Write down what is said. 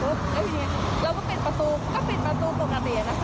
แล้วทีนี้เราก็ปิดประตูก็ปิดประตูปกตินะคะ